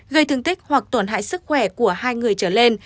gây thương tích hoặc tổn hại sức khỏe của hai người trở lên